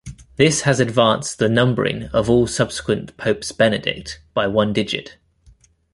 This has advanced the numbering of all subsequent Popes Benedict by one digit.